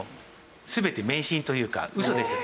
全て迷信というかウソです。